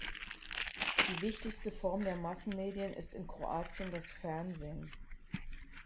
Die wichtigste Form der Massenmedien ist in Kroatien das Fernsehen.